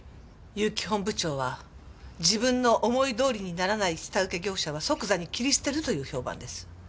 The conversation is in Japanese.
悠木本部長は自分の思いどおりにならない下請け業者は即座に切り捨てるという評判です。